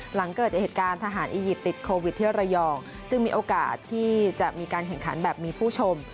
หลังเกิดเหตุการณ์ทหารอียิปต์ติดโควิดที่ระยองจึงมีโอกาสที่จะมีการแข่งขันแบบมีผู้ชม